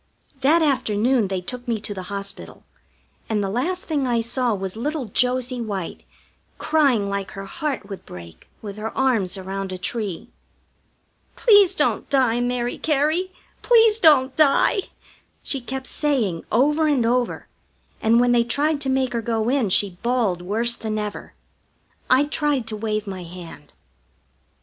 That afternoon they took me to the hospital, and the last thing I saw was little Josie White crying like her heart would break with her arms around a tree. "Please don't die, Mary Cary, please don't die!" she kept saying over and over, and when they tried to make her go in she bawled worse than ever. I tried to wave my hand.